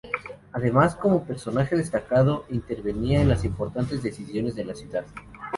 Además, como personaje destacado, intervenía en las importantes decisiones de la ciudad.